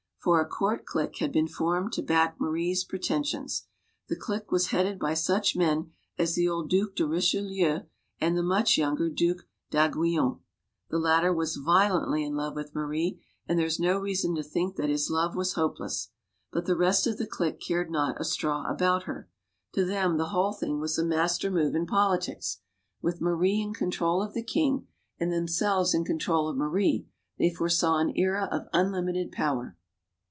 For, a court clique had been formed to back Marie's pretentions. The clique was headed by such men as the old Due de Richelieu and the much younger Due d'Aiguillon. The latter was MADAME DU BARRY 191 violently in love with Marie, and there is no reason to think that his love was hopeless. But the rest of the clique cared not a straw about her. To them, the whole thing was a master move in politics. With Marie in control of the king, and themselves in control of Marie, they foresaw an era of unlimited power.